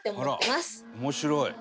「あら面白い」